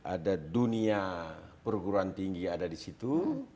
ada dunia perguruan tinggi ada di situ